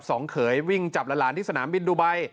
เขยวิ่งจับหลานที่สนามบินดูไบ